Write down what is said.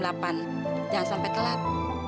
jangan sampai telat